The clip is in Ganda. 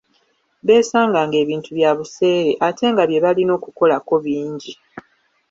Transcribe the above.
Beesanga ng'ebintu bya buseere ate nga bye balina okukolako bingi.